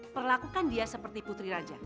perlakukan dia seperti putri raja